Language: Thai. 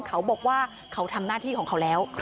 เขาบอกว่าเขาทำหน้าที่ของเขาแล้ว